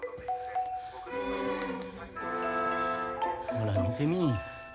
ほら見てみい。